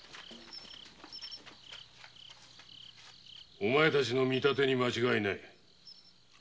お前たちの見立てに間違いはない。